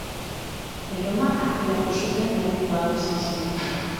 Erroma arpilatu zuten lehenengoak izan ziren.